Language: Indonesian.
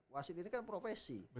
wasit ini kan profesi